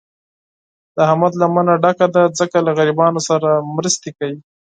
د احمد لمنه ډکه ده، ځکه له غریبانو سره مرستې کوي.